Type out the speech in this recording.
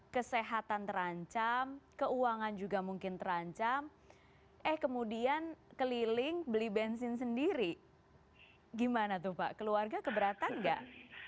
kesehatan terancam keuangan juga mungkin terancam eh kemudian keliling beli bensin sendiri gimana tuh pak keluarga keberatan nggak